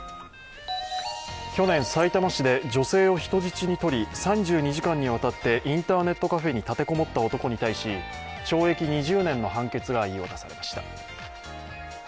去年、さいたま市で女性を人質にとり３２時間にわたってインターネットカフェに立て籠もった男に対し、懲役２０年の判決が言い渡されました。